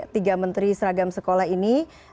tiga menteri seragam sekolah ini